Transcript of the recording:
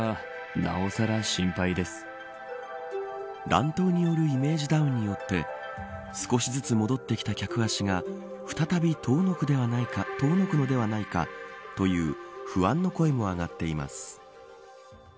乱闘によるイメージダウンによって少しずつ戻ってきた客足が再び遠のくのではないかという不安の声も上がっています。